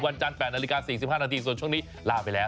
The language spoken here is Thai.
จันทร์๘นาฬิกา๔๕นาทีส่วนช่วงนี้ลาไปแล้ว